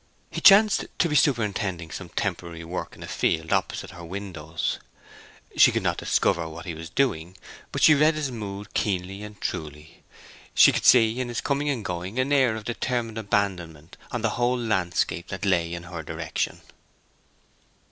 He chanced to be superintending some temporary work in a field opposite her windows. She could not discover what he was doing, but she read his mood keenly and truly: she could see in his coming and going an air of determined abandonment of the whole landscape that lay in her direction.